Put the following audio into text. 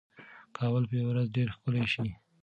کابل به یوه ورځ ډېر ښکلی شي.